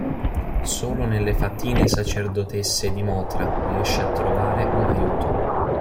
Solo nelle fatine-sacerdotesse di Mothra riesce a trovare un aiuto.